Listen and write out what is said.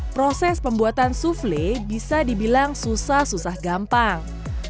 proses pembuatan souffle bisa dibilang susah susah gampang